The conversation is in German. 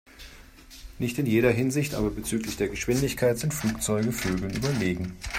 Nicht in jeder Hinsicht, aber bezüglich der Geschwindigkeit sind Flugzeuge Vögeln überlegen.